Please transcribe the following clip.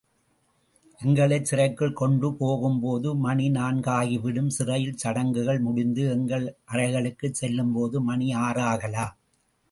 எங்களைச் சிறைக்குள் கொண்டு போகும்போது மணி நான்காகிவிடும் சிறையில் சடங்குகள் முடிந்து எங்கள் அறைகளுக்குச் செல்லும்போது மணி ஆறாகலாம்.